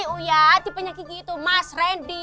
uya tipenya kiki itu mas randy